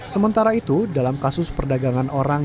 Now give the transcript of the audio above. sementara itu dalam kasus perdagangan orang